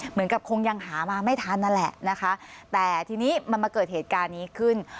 เหมือนกับคงยังหามาไม่ทันนั่นแหละนะคะแต่ทีนี้มันมาเกิดเหตุการณ์นี้ขึ้น